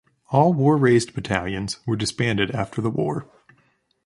All war-raised battalions were disbanded after the war.